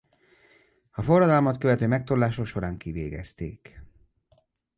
A forradalmat követő megtorlások során kivégezték.